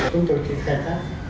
chúng tôi khi khai thác